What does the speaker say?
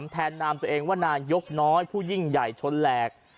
แทนนามตัวเองว่านายกน้อยผู้ยิ่งใหญ่ชนแหลก